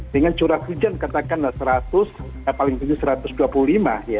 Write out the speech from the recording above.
dengan curah hujan katakanlah seratus paling tinggi satu ratus dua puluh lima ya